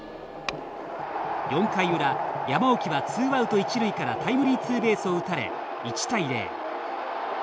４回裏、山沖はツーアウト一塁からタイムリーツーベースを打たれ１対０。